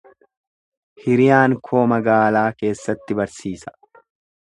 Hiriyaan koo magaalaa keessatti barsiisa.